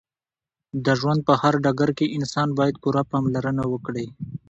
د ژوند په هر ډګر کې انسان باید پوره پاملرنه وکړې